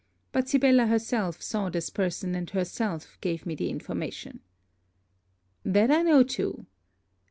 But Sibella herself saw this person and herself gave me the information.' 'That I know too.